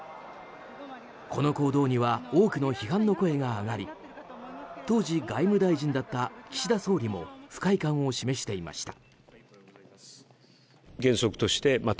この行動には多くの批判の声が上がり当時、外務大臣だった岸田総理も不快感を示していました。